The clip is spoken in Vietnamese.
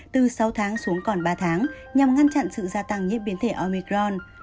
từ sáu tháng xuống còn ba tháng nhằm ngăn chặn sự gia tăng nhiễm biến thể omicron